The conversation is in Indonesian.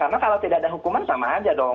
karena kalau tidak ada hukuman sama aja dong